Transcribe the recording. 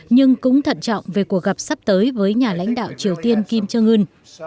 nhưng cũng thận trọng về cuộc gặp sắp tới với nhà lãnh đạo triều tiên kim jong un